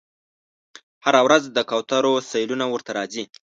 هره ورځ د کوترو سیلونه ورته راځي